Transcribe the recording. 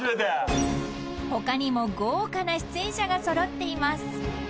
［他にも豪華な出演者が揃っています］